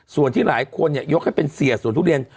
ส่วนที่หลายคนยกให้เป็นเสียสวนทุเรียน